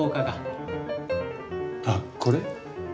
あっこれ？